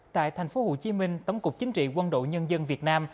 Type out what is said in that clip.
tại thành phố hồ chí minh tấm cục chính trị quân đội nhân dân việt nam